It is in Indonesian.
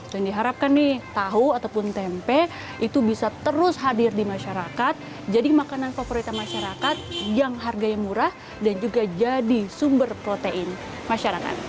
dan diharapkan nih tahu ataupun tempe itu bisa terus hadir di masyarakat jadi makanan favorita masyarakat yang harganya murah dan juga jadi sumber protein masyarakat